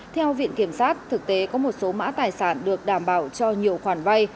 theo viện kiểm sát thực tế có một số mã tài sản được đảm bảo cho nhiều khoản vay